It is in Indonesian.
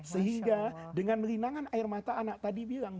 sehingga dengan linangan air mata anak tadi bilang